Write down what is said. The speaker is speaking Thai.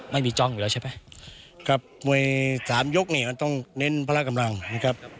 จ้องอยู่แล้วใช่ไหมครับมวยสามยกนี่มันต้องเน้นพละกำลังนะครับ